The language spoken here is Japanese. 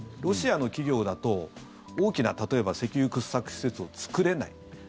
ロシアの企業だと大きな例えば石油掘削施設を作れない。